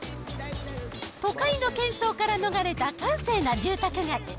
都会のけん騒から逃れた閑静な住宅街。